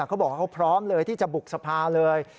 เขาบอกเขาพร้อมเลยที่จะบุกสภาเลย